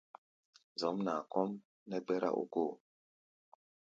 Zɔ̌mnaa kɔ́ʼm nɛ́ gbɛ́rá ókóo.